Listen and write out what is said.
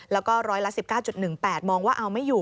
แล้วก็ร้อยละ๑๙๑๘มองว่าเอาไม่อยู่